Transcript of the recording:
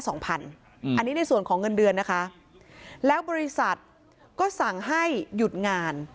อันนี้ในส่วนของเงินเดือนนะคะแล้วบริษัทก็สั่งให้หยุดงาน